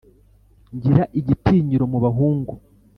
Ngira igitinyiro mu bahungu,